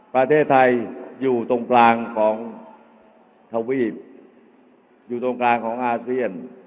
ประเทศไทยอยู่ตรงกลางของทวีปอยู่ตรงกลางของอาเซียน